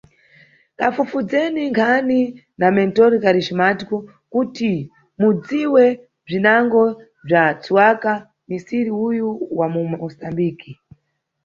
Kafufudzeni nkhani na Mentor Carismático kuti mudziwe bzwinango bzwa tswaka misiri uyu wa Musambiki.